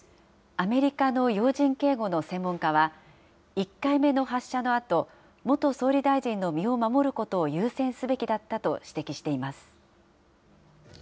アメリカの要人警護の専門家は、１回目の発射のあと、元総理大臣の身を守ることを優先すべきだったと指摘しています。